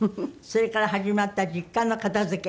それから始まった実家の片付け。